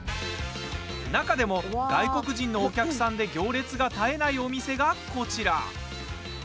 中でも、外国人のお客さんで行列が絶えないお店がこちら。